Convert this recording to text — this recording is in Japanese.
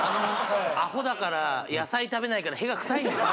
アホだから野菜食べないから屁が臭いんですよ。